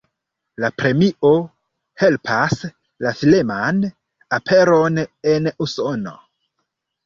La premio helpas la filman aperon en Usono.